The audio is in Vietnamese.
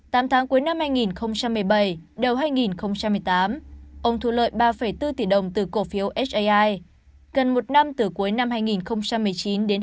tám tháng cuối năm hai nghìn một mươi bảy đầu hai nghìn một mươi tám ông thu lợi ba bốn tỷ đồng từ cổ phiếu hai gần một năm từ cuối năm hai nghìn một mươi chín đến hai nghìn hai mươi